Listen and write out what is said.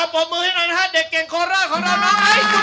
พี่ขนให้กอดหนึ่งที